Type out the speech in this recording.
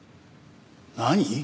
何？